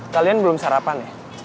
kalian belum sarapan